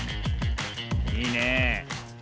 いいね。